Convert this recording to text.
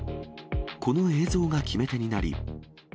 この映像が決め手になり。